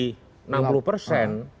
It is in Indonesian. itu justru mengkhawatirkan